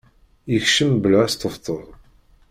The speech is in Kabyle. Yekcem bla asṭebṭeb.